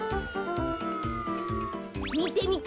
みてみて。